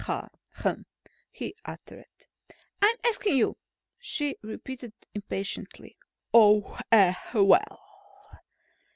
Ha, hum!" he uttered. "I'm asking you," she repeated impatiently. "Oh! Eh! Well!